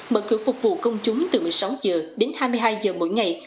mở cửa phục vụ công chúng từ một mươi sáu h đến hai mươi hai h mỗi ngày